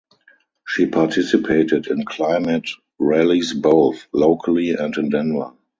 She participated in climate rallies both locally and in Denver.